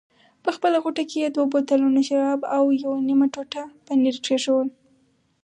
په خپله غوټه کې یې دوه بوتلونه شراب او نیمه ټوټه پنیر کېښوول.